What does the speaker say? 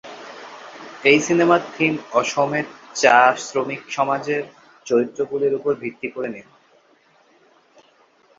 এই সিনেমার থিম অসমের চা শ্রমিক সমাজের চরিত্রগুলির উপর ভিত্তি করে নির্মাণ।